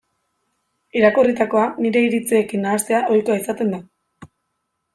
Irakurritakoa nire iritziekin nahastea ohikoa izaten da.